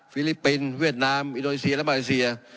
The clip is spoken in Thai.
ลิปปินส์เวียดนามอินโดนีเซียและมาเลเซีย